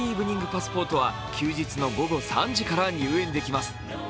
パスポートは休日の午後３時から入園できます。